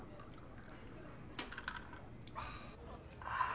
ああ。